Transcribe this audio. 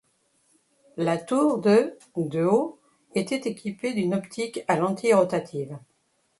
La tour de de haut était équipée d'une optique à lentille rotative.